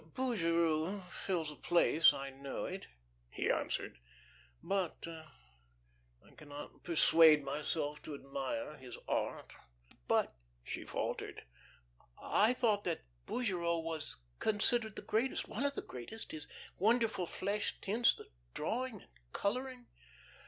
"Bougereau 'fills a place.' I know it," he answered. "But I cannot persuade myself to admire his art." "But," she faltered, "I thought that Bougereau was considered the greatest one of the greatest his wonderful flesh tints, the drawing, and colouring."